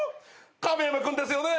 亀山君ですよね。